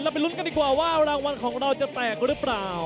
ไปลุ้นกันดีกว่าว่ารางวัลของเราจะแตกหรือเปล่า